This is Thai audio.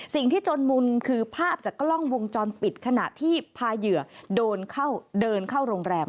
จนมุนคือภาพจากกล้องวงจรปิดขณะที่พาเหยื่อเดินเข้าโรงแรม